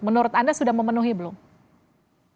menurut anda sudah memenuhi belum